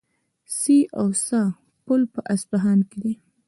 سي او سه پل په اصفهان کې دی.